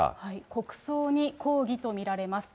国葬に抗議と見られます。